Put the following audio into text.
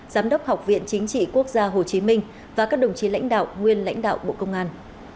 giám đốc học viện chính trị quốc gia hồ chí minh và các đồng chí lãnh đạo nguyên lãnh đạo bộ công an